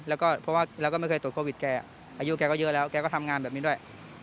แล้วก็เพราะว่าเราก็ไม่เคยตรวจโควิดแกอายุแกก็เยอะแล้วแกก็ทำงานแบบนี้ด้วย